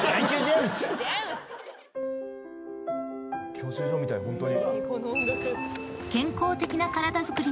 教習所みたいホントに。